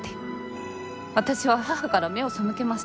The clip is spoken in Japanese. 私は母から目を背けました。